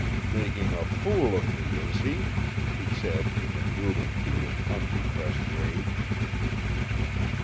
"Making a fool of me, is he?" he said in the brutal key of unrepressed rage.